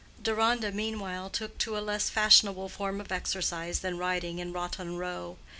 Deronda meanwhile took to a less fashionable form of exercise than riding in Rotten Row.